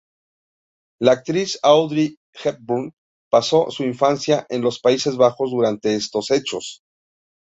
La actriz Audrey Hepburn pasó su infancia en los Países Bajos durante estos hechos.